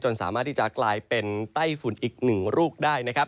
สามารถที่จะกลายเป็นไต้ฝุ่นอีกหนึ่งลูกได้นะครับ